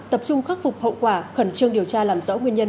tập trung khắc phục hậu quả khẩn trương điều tra làm rõ nguyên nhân